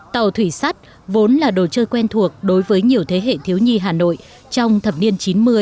tàu thủy sắt vốn là đồ chơi quen thuộc đối với nhiều thế hệ thiếu nhi hà nội trong thập niên chín mươi